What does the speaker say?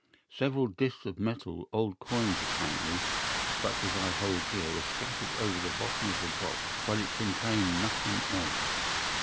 Several discs of metal, old coins apparently, such as I hold here, were scattered over the bottom of the box, but it contained nothing else.